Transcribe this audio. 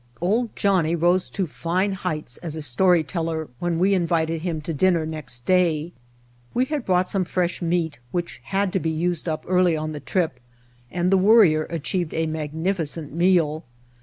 "Old Johnnie" rose to fine heights as a story teller when we invited him to dinner next day. We had brought some fresh meat which had to be used up early on the trip, and the Worrier achieved a magnificent meal.